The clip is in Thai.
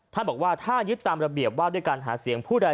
ท่านบอกว่าถ้ายึดตามระเบียบว่าด้วยการหาเสียงผู้ใด